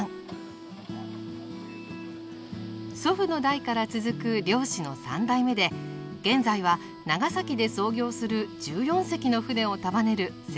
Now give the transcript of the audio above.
祖父の代から続く漁師の３代目で現在は長崎で操業する１４隻の船を束ねる船団長です。